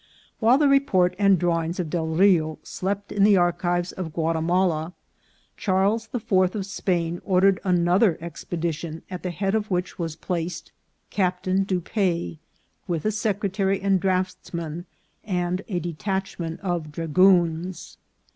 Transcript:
While the report and drawings of Del Rio slept in the archives of Guatimala, Charles the Fourth of FIRST EXPLORATIONS. 297 Spain ordered another expedition, at the head of which was placed Captain Dupaix, with a secretary and draughtsman, and a detachment of dragoons.